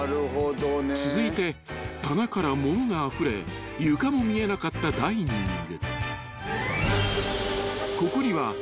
［続いて棚から物があふれ床も見えなかったダイニング］